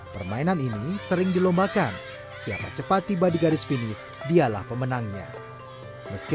permainan ini sering dilombakan siapa cepat tiba di garis finish dialah pemenangnya meski